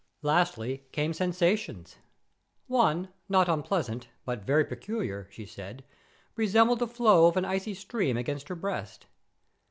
Lastly came sensations. One, not unpleasant, but very peculiar, she said, resembled the flow of an icy stream against her breast.